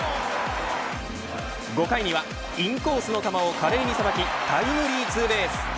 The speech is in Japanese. ５回にはインコースの球を華麗にさばきタイムリーツーベース。